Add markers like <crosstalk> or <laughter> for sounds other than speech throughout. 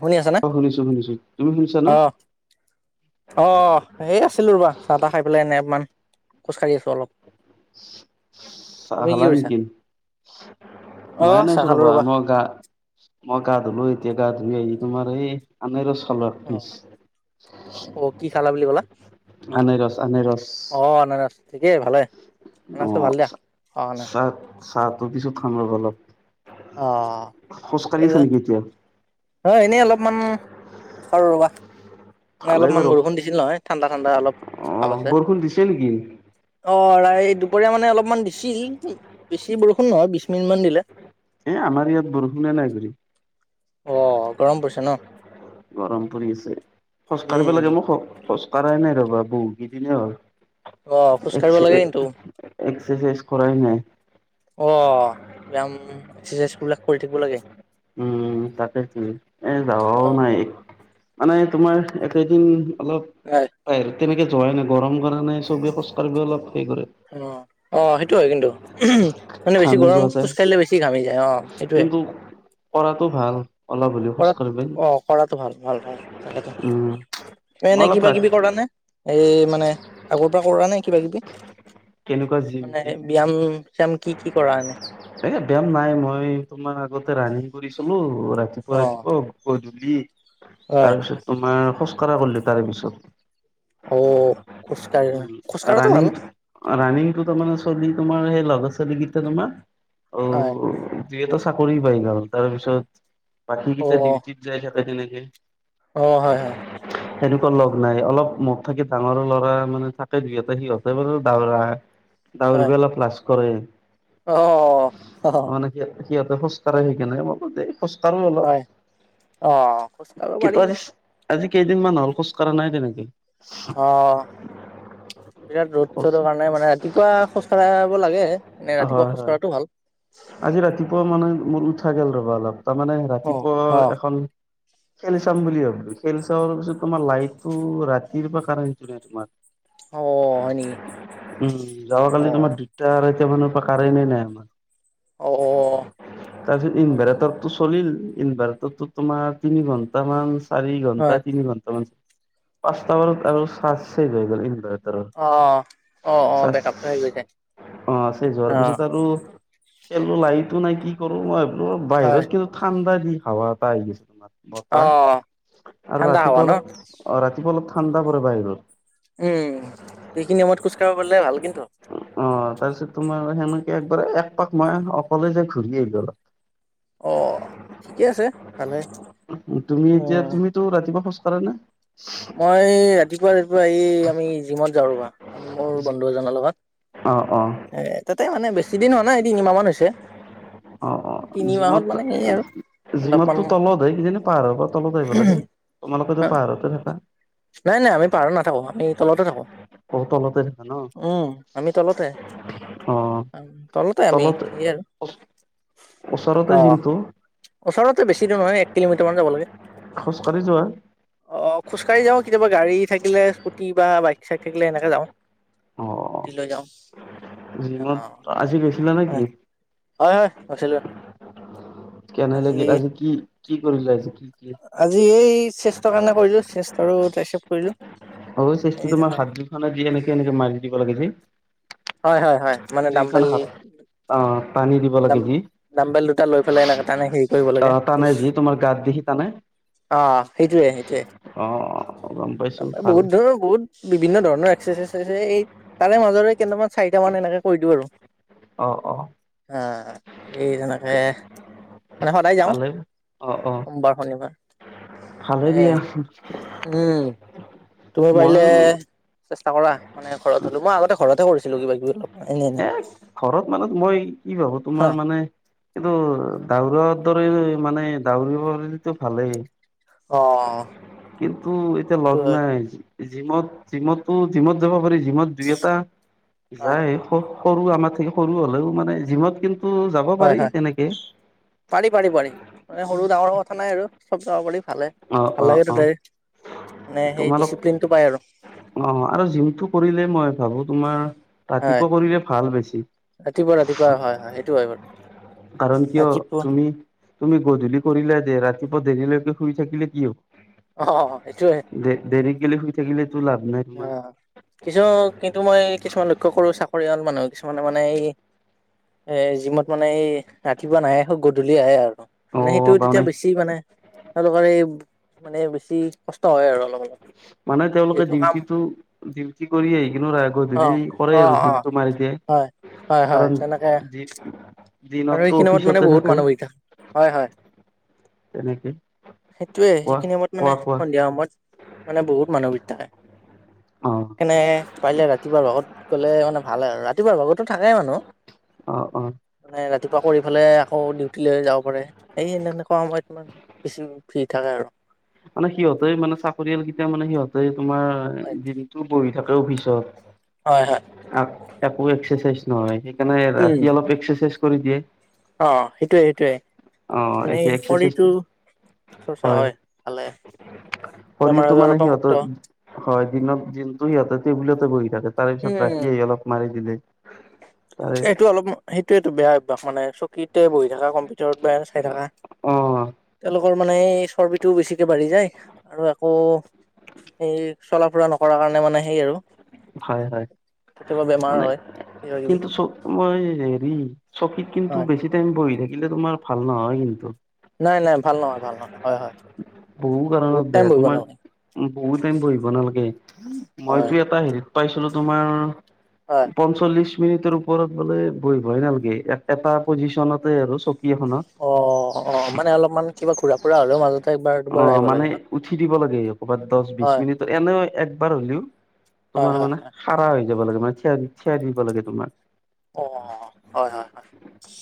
শুনি আছা নে? অ শুনিছো শুনিছো তুমি শুনিছা ন অ'। অ' এই আছিলোঁ ৰ'বা চাহ-তাহ খাই পেলাই এনে অকনমান খোজকাঢ়ি আছোঁ অলপ। চাহ তুমি কি খালা কৰিছা? নেকি? মই অ', এনে চাহ আছোঁ খালো ৰ'বা মই গা মই গা ধুলো এতিয়া গা ধুই আহি তোমাৰ এই আনাৰচ খালোঁ এক অ', পিচ। অ', কি খালা বুলি ক'লা? আনাৰস আনাৰস অ' আনাৰস ঠিকেই ভালে। আনাৰসটো ভাল অ' দিয়া। অ', নাই। চাহ চাহটো পিছত খাম ৰ'বা অ', অলপ। ঠিকে খোজকাঢ়ি আছা আছে নেকি এতিয়া? অ' এনেই অলপমান অ' ৰ'বা মানে ভালেই অলপমান বাৰু বৰষুণ দিছিল নহয় ঠাণ্ডা ঠাণ্ডা অলপ অ ভাৱ আছে। বৰষুণ দিছে নেকি অ ৰাই দুপৰীয়া মানে অলপমান দিছিল বেছি বৰষুণ নহয় বিশ মিনিট মান দিলে। এ আমাৰ ইয়াত বৰষুণে নাই অ' গৰম পৰিছে ন? গৰম পৰি আছে খোজ কাঢ়িব উম, লাগে মই খ খোজ কাঢ়াই নাই ৰ'বা বহুকেইদিনে হ'ল। অ', খোজ এক কাঢ়িব লাগে কিন্তু এক্সেৰচাইজ কৰাই নাই। অ' ব্যায়াম, এক্সাৰচাইজ বিলাক কৰি থাকিব লাগে। উম' তাকেই এ যাবাওঁ অ'। নাই। মানে তোমাৰ একেইদিন অলপ হয়। হয়, তেনেকে যোৱাই নাই গৰম কাৰণে চবে খোজ কাঢ়িব অলপ সেই কৰে। অঁ অঁ, সেইটো হয় কিন্তু মানে বেছি ঘামি গৰম যোৱা যায় খোজ কাঢ়িলে বেছি ঘামি যায় অঁ সেইটোৱে। কিন্তু কৰাটো ভাল। অলপ হ'লেও খোজ অঁ কাঢ়িব অঁ কৰা তোমালোকে ভাল ভাল ভাল তাকেতো। উম মই এনে অলপ কিবা ৰা কিবি কৰা নে, এই মানে আগৰ পৰা কৰানে? কিবা কিবি, কেনেকুৱা জিম টিম মানে ব্যায়াম চিয়াম কি কি কৰা এনে? এইে ব্যায়াম নাই মই তোমাৰ আগতে ৰানিং কৰিছিলো ৰাতিপুৱা অ ৰাতিপুৱা গধূলি হয় তাৰ পিছত তোমাৰ খোজকাঢ়া কৰিলো তাৰে পিছত। অ খোজকাঢ়ি খোজকাঢ়িলেটো ভাল। অঁ ৰাণিংটো তাৰ মানে চলি তোমাৰ সেই লগৰ চলিকেইটা তোমাৰ অঁ যিহেতু চাকৰি পাই গ'ল, তাৰপিছত অ বাকীকেইটা ডিউটিত যাই থাকে তেনেকে। অঁ হয় হয়। <inaudible> সেনেকুৱা লগ নাই অলপ মোক থাকি ডাঙৰ ল'ৰা মানে থাকে দুই এটা সিহঁতে বাৰু দৌৰাই হয় দৌৰিব অলপ লাজ কৰে। <inaudible> সিহঁত সিহঁতে খোজ কাঢ়ে কিনে অলপতে। খোজ কাঢ়ো অলপ হয় অ খোজ কাঢ়িব পাৰি আজি কেইদিনমান হ'ল খোজ কাঢ়া নাই তেনেকে। অঁ বিৰাট ৰ'দ চ'দৰ কাৰণে মানে ৰাতিপুৱা খোজ কাঢ়িব লাগে। মানে ৰাতিপুৱা হয় খোজ হয়, কঢ়াটো ভাল আজি ৰাতিপুৱা মানে মোৰ উঠা গল ৰবা অলপ তাৰমানে অ ৰাতিপুৱা অ এখন খেল চাম বুলি ভাবিলো, খেল চোৱাৰ পিছত তোমাৰ লাইটটো ৰাতিৰ পৰা কাৰেণ্টটো নাই তোমাৰ। <inaudible> অ হয় নেকি? উম অ যোৱাকালি তোমাৰ দুটা আঢ়ৈটা মানৰ পৰা কাৰেণ্টে নাই আমাৰ। অ অ তাৰপিছত হয় নেকি ইনভাৰ্টাৰটো চলিল, ইনভাৰ্টাৰটো তোমাৰ তিনি ঘন্টামান চাৰি হয় ঘণ্টা তিনি ঘন্টা মান পাঁচটা বজাত আৰু চাৰ্জ শেষ হৈ গ'ল ইনভাৰ অ অ অ বেকআপটো শেষ হৈ। অঁ চেছ হোৱাৰ পিছত আৰু লাইতো নাই কি কৰো মই বোলো হয় বাহিৰত তো ঠাণ্ডা দি হাৱা এটা আহি গৈছে তোমাৰ অ বতাহ, আৰু ঠাণ্ডা হাৱা ৰাতিপুৱা ন অলপ অঁ ৰাতিপুৱা অলপ ঠাণ্ডা পৰে বাহিৰত। উম, সেইখিনি সময়ত খোজ কঢ়িব পাৰিলে ভাল কিন্তু। অঁ তাৰপিছত তোমাৰ সেনেকে একবাৰ একপাক মই অকলে যাই ঘূৰি আহিলো আৰু। অ ঠিকে আছে। ভালে তুমি এতিয়া উম তুমিতো ৰাতিপুৱা খোজ কঢ়া নে? মই ৰাতিপুৱা ৰাতিপুৱাই এই আমি জিমত যাওঁ ৰবা মোৰ বন্ধু এজনৰ লগত। অঁ অঁ। এ তাতে মানে বেছি দিন হোৱা নাই এই তিনিমাহমান হৈছে। অঁ অঁ তিনি মাহত জিমত ত মানে সেই আৰু অলপমান জিমতো তলত হৈ কিনে নে পাহাৰৰ পৰা তলত আহিব লাগে, তোমালোকো পাহাৰতে থাকা? নাই নাই আমি পাহাৰত নাথাকো, আমি তলতে থাকো, অ', তলতে থাকা ন উম। আমি তলতে অ', তলতে আমি তলত সেই আৰু। ওচৰতে অ জিমটো? ওচৰতে বেছি দুৰ নহয় একিলোমিটাৰ যাব লাগে। খোজ কাঢ়ি যোৱা? অ', খোজকাঢ়ি যাওঁ, কেতিয়াবা গাড়ী থাকিলে স্কুটি বা বাইক-চাইক থাকিলে এনেকে যাওঁ। অ', স্কুটি লৈ যাওঁ। জিমত অ', আজি গৈছিলা নেকি হয়, হয়, আছিলো। কেনাই লাগিল আজি কি কি কৰিলা আজি কি? আজি এই চেষ্টৰ কাৰণে কৰিলোঁ, চেষ্ট আৰু ট্ৰাইছেপ কৰিলোঁ। অ', চেষ্টটো তোমাৰ হাত দুখন দি এনেকে এনেকে মাৰি দিব লাগে যে? হয়, হয়, হয়, মানে দুইখন দাম্বেল। হাত অ', টানি দিব লাগে যি? দামবেল দুটা লৈ এনেকে তানে সেই অ', টানে যি তোমাৰ গাত দেখি টানে। অ', সেইটোয়ে সেইটোয়ে, অ', অ গম পাইছো ভাল বহুত ধৰনৰ বহুত বিভিন্ন ধৰণৰ এক্সাৰচাইজ আছে, এই তাৰে মাজৰে কেইটামান চাৰিটা মান এনেকে কৰি দিওঁ আৰু। অ', অ'। অ', সেই তেনেকে মানে সদায় যাওঁ। ভালে অ অ সোমবাৰ শনিবাৰ ভালে হে দিয়া উম। তুমি পাৰিলে মইয়ো চেষ্টা কৰা মানে ঘৰত হ'লো, মই আগতে ঘৰতে কৰিছিলো কিবা কিবি অলপ। এনে এনে এ ঘৰত মানে মই কি ভাবো হা তোমাৰ মানে এইটো দাউৰা দৰে মানে দৌৰিব পাৰিলেতো ভালেই। অ', কিন্তু এতিয়া সেইটো লগ হয়, নাই। জিমত জিমতো জিমত যাব পাৰি জিমত দুই এটা হয়, যায়। সৰু আমাত থাকি সৰু হ'লেও মানে জিমত কিন্তু যাব হয়, পাৰি হয়, তেনেকে। পাৰি পাৰি পাৰি মান সৰু ডাঙৰ কথা নাই আৰু চব যাব পাৰি ভালেই। অ অ ভাল লাগে অ তাতে মানে সেই তোমালোক ডিচিপ্লিন টো পাই আৰু। অ', আৰু জিমটো কৰিলে মই ভাবো তোমাৰ। হয়, ৰাতিপুৱা কৰিলে ভাল বেছি। ৰাতিপুৱা ৰাতিপুৱা হয়, হয়, সেইটো হয়, বাৰু কাৰণ, কিয় ৰাতিপুৱা তুমি তুমি গধূলি কৰিলা যে ৰাতিপুৱা দেৰিলৈকে শুই থাকিলে কি হ'ব? অ', সেইটোয়ে। দে-দেৰি গলে শুই থাকিলে তো লাভ নাই তোমাৰ। অ', কিছু কিন্তু মই কিছুমান লক্ষ্য কৰোঁ, চাকৰিয়াল মানুহ কিছুমানে মানে এই এ জিমত মানে এই ৰাতিপুৱা নাহে গধূলি আহে আৰু অ মানে সেইটো তাৰমানে তেতিয়া বেছি মানে তেওঁলোকৰ এই মানে বেছি কষ্ট হয় আৰু অলপ অলপ। মানে তেওঁলোকে এইটো কাম ডিউটিটো ডিউটি কৰি আহি কিনে লাহে কৈ অ গধূলি অ কৰেই আৰু অ জিমটো মাৰি দিয়ে। হয় হয় হয় কাৰণ তেনেকে আৰু দিনততো সেইখিনি সময়ত মানে অফিচতে বহুত থাকে। মানুহ হৈ হয়, হয়, তেনেকে সেইটোৱে কোৱা সেইখিনি সময়ত মানে কোৱা কোৱা সন্ধিয়া সময়ত মানে বহুত মানুহ ভিৰ থাকে। অ'। সেইকাৰনে পাৰিলে ৰাতিপুৱাৰ ভাগত গ'লে মানে ভাল ৰাতিপুৱাৰ ভাগতো থাকেই মানুহ। অ', অ'। মানে ৰাতিপুৱা কৰি ফেলাই আকৌ ডিউটি লৈ যাব পাৰে। সেই এনেকুৱা সময় তোমাৰ বেছি ফ্ৰী থাকে আৰু মানে সিহঁতে মানে চাকৰিয়াল কেইটা মানে সিহঁতে তোমাৰ হয় দিনটো বহি থাকে। অফিচত হয়। হয়। একো এক্সাৰচাইজ নহয়। সেইকাৰণে উম ৰাতি অলপ এক্সাৰচাইজ কৰি দিয়ে। অ', সেইটোৱে-সেইটোৱে। অ মানে এতিয়া এক্সাৰচাইজটো শৰীৰটো চৰ্চা হয়। ভালে বেমাৰ শৰীৰটো মানে আজাৰৰ পৰা সিহঁতৰ মুক্ত হয়। দিনত দিনটো সিহঁতে টেবুলতে বহি থাকে। তাৰ পিছত উম ৰাতিয়ে অলপ মাৰি দিলে। তাৰে এইটো অলপ সেইটোয়েটো বেয়া অভ্যস মানে চকীতে বহি থকা কম ভিতৰত বাই চাই থকা অ তেওঁলোক অকল মানে এই চৰ্বিটো বেছিকে বাঢ়ি যায় আৰু আকৌ এই চলা ফুৰা নকৰৰা কাৰণে মানে সেই আৰু হয় হয় কেতিয়াবা বেমাৰ মানে হয়। কিবা কিবি কিন্তু চ মই হেৰি চকীত কিন্তু, হয় বেছি টাইম বহি থাকিলে। তোমাৰ ভাল নহয় কিন্তু, নাই। নাই। ভাল নহয়। ভাল নহয়। হয়। হয়। বহু বহুত কাৰনত টাইম বেয়া বহিব তোমাৰ নালাগে বহুত টাইম বহিব নালাগে। হয় মইতো এটা হেৰিত পাইছিলো। তোমাৰ হয়। পঞ্চল্লিশ মিনিটৰ ওপৰত বোলে, বহিভয় নালাগে। এটা পজিচনতে আৰু চক অ', অ, মানে অলপমান কিবা ঘুৰা ফুৰা হ'লেও মাজতে একবাৰ দুবাৰ অ', আহিব মানে লাগে ন উঠি দিব লাগে। কবাত দহ, বিশ হয় মিনিটত এনে একবাৰ হ'লেও হয় তোমাৰ হয় মানে হয় খাৰা হৈ যাব লাগে। মানে থিয় দি দিব লাগে তোমাৰ। অ হয় হয় হয়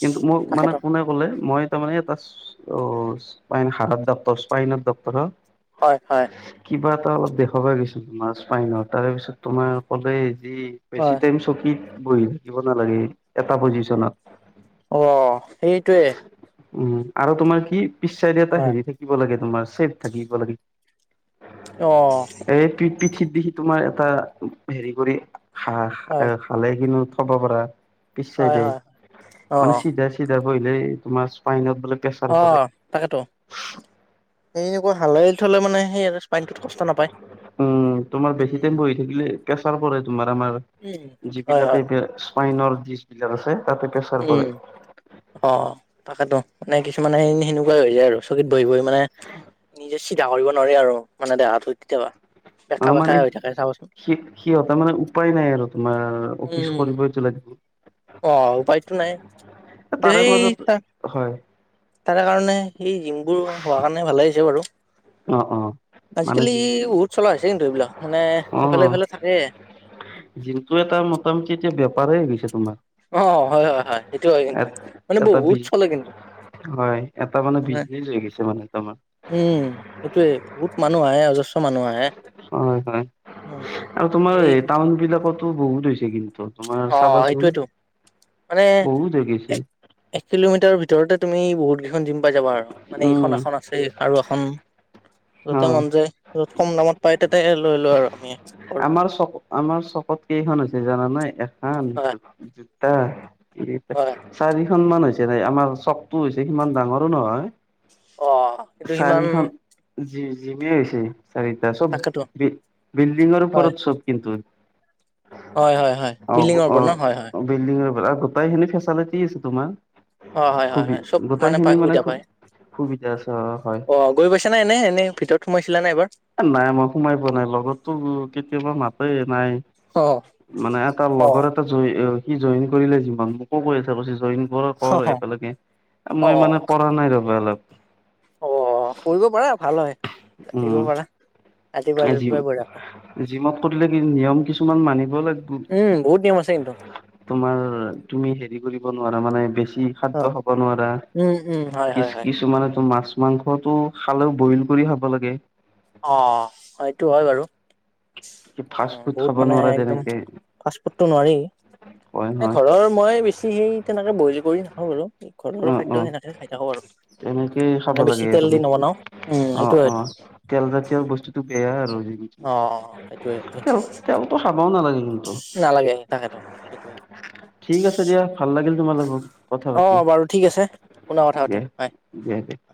কিন্তু মোৰ মানে তাকেতো কোনে ক'লে মই তাৰ মানে এটা এচপাইন হাৰাৰ ডক্টৰক এচসাইন ডক্টৰৰ হয়। হয়। কিবা এটা অলপ দেখাবা গৈছ ত মাছ পাই ন তাৰ পিছত তোমাৰ কলে যি বেছি হয় টাইম চকীত বহি থাকিব নালাগে। এটা পজিশনত অ', সেইটোৱে উম', আৰু তোমাৰ কি পিচ চাইদ এটা হয় হেৰি থাকি থাকিব লাগে। তোমাৰ ছেফ থাকিব লাগে। অ', এই পিঠিত দেখি তোমাৰ এটা হেৰি কৰি হ হয় ভালে কিন্তু, থবা পৰা পিছ চাই হয় দে হয় অ মানে চিধা চিধা বঢ়িলে তোমাৰ স্পাইনত বিলাক অ', তাকেতো এনেকা হাল থলে মানে সেই পানীটোত কষ্ট নাপায় উম', তোমাৰ বেছি উম টাইম বহি থাকিলে। পেচাৰ পৰে তোমাৰ আমাৰ উম হয় যিবিলাক হয় স্পাইনৰ বিল আছে। তাতে পেছাৰ পৰে। উম অ', তাকেতো মানে কিছুমানে সেনেকুৱাই হৈ যায় আৰু চকীত বহি বহি মানে নিজে চিধা কৰিব নোৱাৰি, আৰু মানে দেহাটো কেতিয়াবা বেকা অ বেকা মানে হৈ থাক। সি সিহঁত মানে উপায় নাই, আৰু তোমাৰ অফিচ উম কৰিবাইটো লাগিব। অ', উপায়তটো নাই। তাৰে দেই মাজত চা হয়। তাৰে কাৰণে সেই জিম বোৰ হোৱা কাৰণে ভালে আহি হৈছে বাৰু অ অ মানে আজিকালি যি বহুত চলা হৈছে কিন্তু এইবিলাক মানে ইফালে সিফালে থাকেই। দিনটো এটা মোটামুটি এতিয়া বেপাৰেই হৈ গৈছে তোমাৰ। অ', হয় হয় হয়। সেইটো হয় কিন্তু মানে এটা বহুত বিজ চলে কিন্তু। হয় এটা মানে বিজনেচ হৈ গেছে মানে তমাৰ উম সেটোয়ে বহুত মানুহ আহে অজস্ৰ মানুহ আহে। হয় হয়। উম আও তোমাৰ এই টাউন বিলাকতো বহুত হৈছে কিন্তু। তোমাৰ অ', চাবাচোন, সেইটোয়েতো মানে বহুত হৈ গেইছে। এক এক কিলোমিটাৰৰ ভিতৰতে তুমি বহুত কেইখন জিম পাই যাবা আৰু মানে উম এইখন আখন আছে আৰু এখন অ য'তে মন যায় যত কম দামত পায় তাতে লৈ লওঁ আৰু আমি কৰোঁ। আমাৰ চক আমাৰ চকত কেইখন আছে জানা নাই এখান হয়, দুট জোতা হয়। <unintelligible> চাৰিখনমান হৈছে নাই আমাৰ চকটো হৈছে সিমান ডাঙৰো নহয়। অ', সেটো সিমান চাৰিখন জি জিমে হৈছে। চাৰিটা চব তাকেতো বি বিল্ডিংৰ হয়, ওপৰত চব কিন্তু। হয়, হয়, হয়, অব বিল্ডিঙৰ অ', ওপৰত ন হয়, হয়। অ', বিল্ডিংৰ <unintelligible> গোটাইখিনি ফেচেলিটি আছে তোমাৰ অ', হয়, হয়, হয়, সুবি চব গোটাই পাই খিনি মানে সুবিধা পায় সুব সুবিধা আছে অ', হয়। অ', গৈ পাইছানে এনে এনে ভিতৰত সোমাইছিলা নাই এবাৰ? এ, নাই মই সোমাই পোৱা নাই লগতটো কেতিয়াবা মাতে নাই। অ'। মানে এটা অ লগৰ এটা জই অ', সি জইন কৰিলে জীমত মোকো কৈ আছে কৈছে জইন কৰ কৰ একেলগে এ, অ মই মানে কৰা নাই ৰ'বা অলপ অ', কইব পাৰা ভাল হয় <unintelligible> পাৰা। ৰাতিপুৱা অ', জিম ৰাতিপুৱাই বঢ়িয়া হয় জিমত কৰিলে কি নিয়ম কিছুমান মানিব লাগি উম বহুত নিয়ম আছে কিন্তু। তোমাৰ তুমি হেৰি কৰিব নোৱাৰা মানে বেছি অ খাদ্য খাব নোৱাৰা, উম উম হয় কিছ হয় হয় কিছুমানেটো মাছ মাংসটো খালেও বইল কৰি খাব লাগে। অ', সইটো হয় বাৰু। ফাষ্ট অ', ফুড বহুত খাব মানে নোৱাৰা একদম তেনেকে ফাষ্টফুটটো নোৱাৰি হয় এ, হয় ঘৰৰ মই বেছি সেই তেনেকে বইল কৰি নাখাওঁ বাৰু। অ ঘৰৰ অ খাদ্য সেনেকে খাই থাকোঁ আৰু তেনেকেই খাব মানে লাগে বেছি তেল আৰু দি নবনাওঁ। উম অ', সেইটোয়েটো। অ', তেল জাতীয় বস্তুটো বেয়া আৰু অ সেইটোয়ে <unintelligible> তেল সেইটোয়ে তেলতো খাবও নালাগে। কিন্তু নালাগে তাকেতো সেইটোয়ে ঠিক আছে দিয়া ভাল লাগিল তোমা লগত কথা অ পাতি। বাৰু ঠিক আছে পুনৰ কথা দিয়া পাতিম বাই। দিয়া <unintelligible>